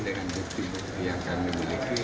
dengan bukti bukti yang kami miliki